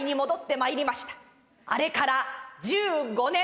あれから１５年。